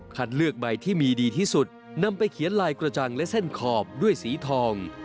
เลือกใบที่มีดีที่สุดนำไปเขียนลายกระจังและเส้นขอบด้วยสีทอง